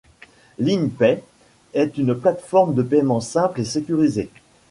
Line Pay est une plate-forme de payement simple et sécurisée.